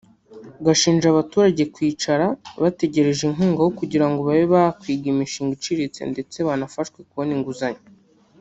gashinja aba baturage kwicara bategereje inkunga aho kugira ngo babe bakwiga imishinga iciriritse ndetse banafashwe kubona inguzanyo